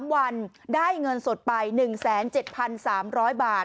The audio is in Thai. ๓วันได้เงินสดไป๑๗๓๐๐บาท